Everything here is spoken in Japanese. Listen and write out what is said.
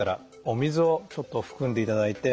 お水をちょっと含んでいただいて。